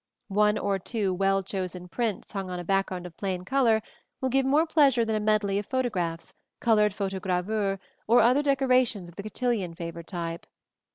One or two well chosen prints hung on a background of plain color will give more pleasure than a medley of photographs, colored photogravures, and other decorations of the cotillon favor type.